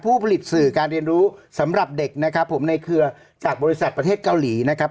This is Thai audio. ผู้ผลิตสื่อการเรียนรู้สำหรับเด็กนะครับผมในเครือจากบริษัทประเทศเกาหลีนะครับ